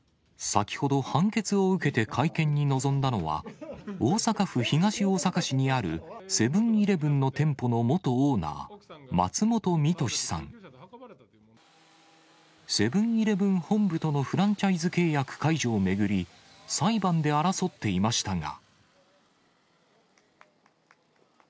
先ほど、判決を受けて会見に臨んだのは、大阪府東大阪市にあるセブンーイレブンの店舗の元オーナー、松本実敏さん。セブンーイレブン本部とのフランチャイズ契約解除を巡り、裁判で争っていましたが。